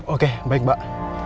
oke baik mbak